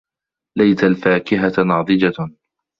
لَيْتَ الْفَاكِهَةَ نَاضِجَةٌ.